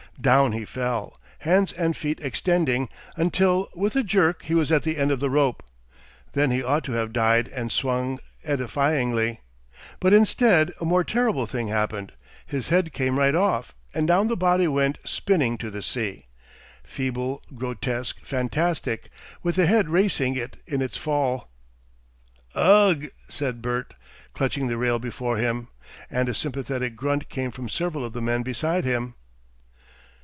Down he fell, hands and feet extending, until with a jerk he was at the end of the rope. Then he ought to have died and swung edifyingly, but instead a more terrible thing happened; his head came right off, and down the body went spinning to the sea, feeble, grotesque, fantastic, with the head racing it in its fall. "Ugh!" said Bert, clutching the rail before him, and a sympathetic grunt came from several of the men beside him.